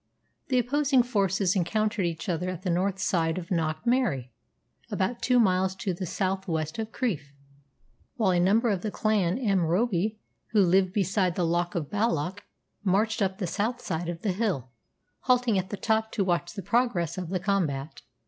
The opposing forces encountered each other at the north side of Knock Mary, about two miles to the south west of Crieff, while a number of the clan M'Robbie, who lived beside the Loch of Balloch, marched up the south side of the hill, halting at the top to watch the progress of the combat.